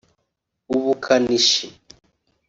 ubukanishi